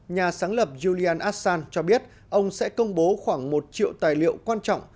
nhà sáng lập julian assan cho biết ông sẽ công bố khoảng một triệu tài liệu quan trọng